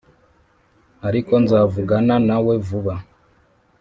ariko nzavugana nawe vuba,